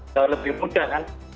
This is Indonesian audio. jauh lebih mudah kan